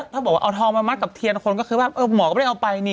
ถ้าบอกว่าเอาทองมามัดกับเทียนคนก็คือว่าหมอก็ไม่ได้เอาไปนี่